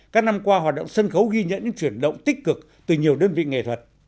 các năm qua hoạt động sân khấu ghi nhận những chuyển động tích cực từ nhiều đơn vị nghệ thuật